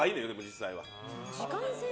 実際は。